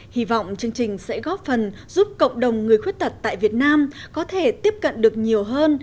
hy vọng chương trình sẽ góp phần giúp cộng đồng người khuyết tật tại việt nam có thể tiếp cận được nhiều hơn